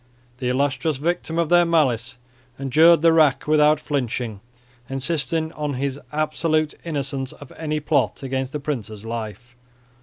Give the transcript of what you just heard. The illustrious victim of their malice endured the rack without flinching, insisting on his absolute innocence of any plot against the prince's life.